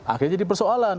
akhirnya jadi persoalan